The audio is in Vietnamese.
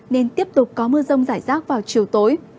nên tiếp tục có mưa rông rải rác vào chiều tối